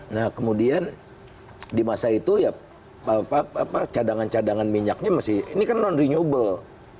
nah kemudian di masa itu ya cadangan cadangan minyaknya masih ini kan non renewable